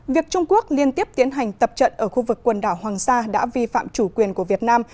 việc trung quốc liên tiếp tiến hành tập trận ở khu vực quần đảo hoàng sa đã vi phạm chủ quyền của việt nam